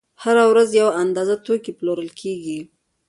هره ورځ یوه اندازه توکي پلورل کېږي